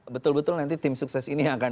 betul betul nanti tim sukses ini yang akan